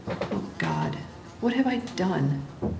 "My God! what have I done!